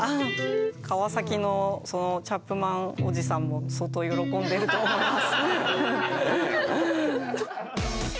川崎のそのチャップマンおじさんも相当喜んでると思います。